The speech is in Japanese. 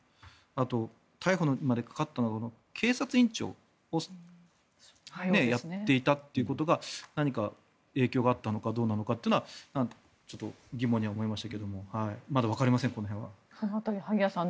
あと、逮捕までかかったのは警察委員長をやっていたということが何か影響があったのかどうなのかというのはちょっと疑問に思いましたけど萩谷さん